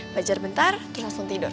belajar bentar langsung tidur